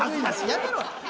やめろ！